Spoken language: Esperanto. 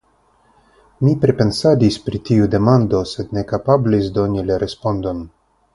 Mi pripensadis pri tiu demando, sed ne kapablis doni la respondon.